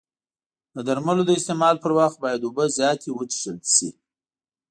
د درملو د استعمال پر وخت باید اوبه زیاتې وڅښل شي.